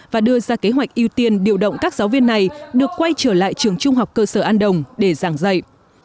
và đưa ra kế hoạch ưu tiên điều động các giáo viên này được quay trở lại trường trung học cơ sở an đồng để giảng dạy